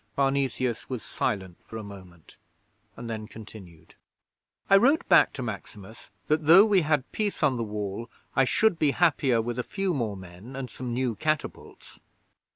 Parnesius was silent for a moment and then continued. 'I wrote back to Maximus that, though we had peace on the Wall, I should be happier with a few more men and some new catapults.